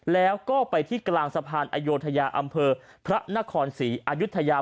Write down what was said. แล้วก็ไปที่กลางสะพานอโยธยาอำเภอพระนครศรีอายุทยา